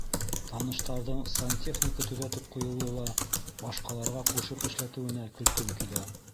Таныштарҙың сантехника төҙәтеп ҡуйыуҙы ла башҡаларға ҡушып эшләтеүенә көлкөм килә.